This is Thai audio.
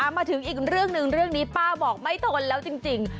มาถึงอีกเรื่องหนึ่งเรื่องนี้ป้าบอกไม่ทนแล้วจริง